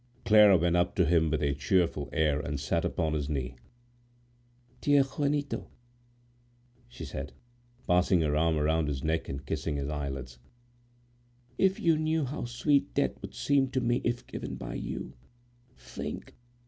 Clara went up to him with a cheerful air and sat upon his knee. "Dear Juanito," she said, passing her arm around his neck and kissing his eyelids, "if you knew how sweet death would seem to me if given by you! Think!